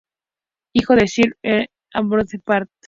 Hijo de Sir Edward Osborne, Bart.